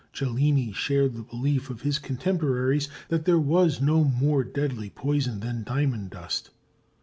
Cellini shared the belief of his contemporaries that there was no more deadly poison than diamond dust.